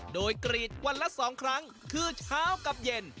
โดยกรีดวันละ๒ครั้งคือเช้ากับเย็น